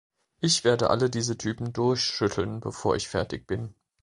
Ich werde alle diese Typen durchschütteln, bevor ich fertig bin.